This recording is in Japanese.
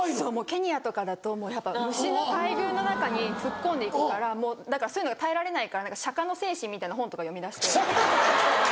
ケニアとかだと虫の大群の中に突っ込んでいくからもうだからそういうのが耐えられないから釈迦の精神みたいな本とか読み出して。